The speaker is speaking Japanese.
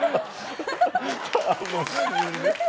楽しいね。